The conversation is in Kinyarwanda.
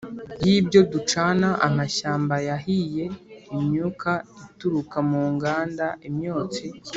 y'ibyo ducana: amashyamba yahiye, imyuka ituruka mu nganda, imyotsi